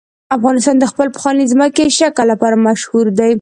افغانستان د خپل پخواني ځمکني شکل لپاره مشهور دی.